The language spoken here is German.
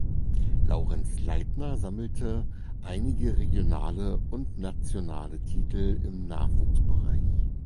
Laurenz Leitner sammelte einige regionale und nationale Titel im Nachwuchsbereich.